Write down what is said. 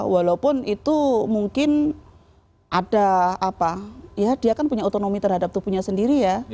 walaupun itu mungkin ada apa ya dia kan punya otonomi terhadap tubuhnya sendiri ya